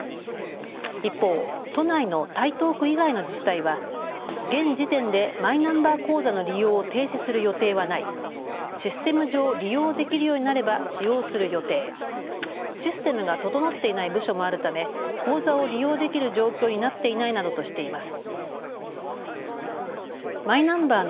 一方、都内の台東区以外の自治体は現時点でマイナンバー口座の利用を停止する予定はない、システム上利用できるようになれば使用する予定、システムが整っていない部署もあるため口座を利用できる状況になっていないなどとしています。